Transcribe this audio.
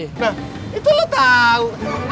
nah itu lo tau